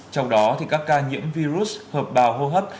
trong đó thì các ca nhiễm virus hợp bào hô hấp